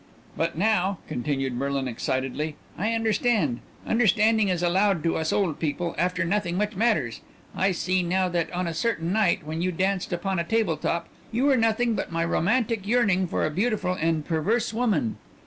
"But now," continued Merlin excitedly, "I understand. Understanding is allowed to us old people after nothing much matters. I see now that on a certain night when you danced upon a table top you were nothing but my romantic yearning for a beautiful and perverse woman."